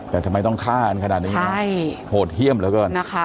แต่ทำไมต้องฆ่าอันขนาดนี้โหดเฮี่ยมแล้วกัน